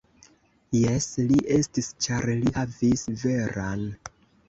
Jes, li estis ĉar li havis veran.